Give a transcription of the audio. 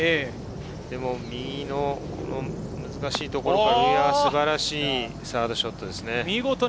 でも、右の難しいところから素晴らしいサードショットですね。